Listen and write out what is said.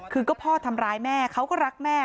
คือก็พ่อทำร้ายแม่เขาก็รักแม่